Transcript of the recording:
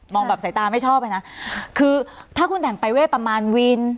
มองแบบใส่ตาไม่ชอบเลยนะคือถ้าคุณแต่งไปเว้นบาปรากฎประมาณวีน